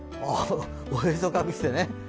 おへそ隠してね。